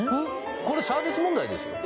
これサービス問題ですよ